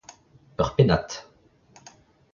Ur pennad.